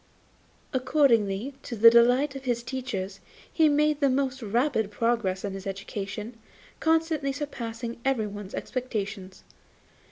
Accordingly, to the delight of his teachers, he made the most rapid progress in his education, constantly surpassing everyone's expectations.